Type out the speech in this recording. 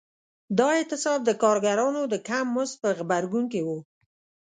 دا اعتصاب د کارګرانو د کم مزد په غبرګون کې و.